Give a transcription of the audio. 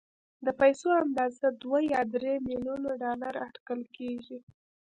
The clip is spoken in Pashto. د پيسو اندازه دوه يا درې ميليونه ډالر اټکل کېږي.